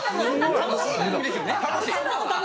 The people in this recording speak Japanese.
楽しい番組ですよね。